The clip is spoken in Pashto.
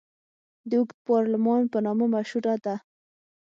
د اوږد پارلمان په نامه مشهوره ده.